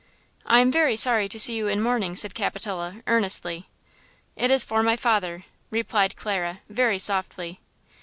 "I am very sorry to see you in mourning," said Capitola, earnestly. "It is for my father," replied Clara, very softly.